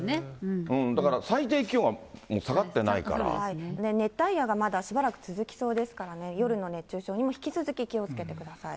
だから最低気温がもう下がっ熱帯夜がまだしばらく続きそうですからね、夜の熱中症にも引き続き気をつけてください。